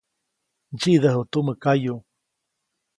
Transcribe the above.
Ntsyidäju tumä kayuʼ.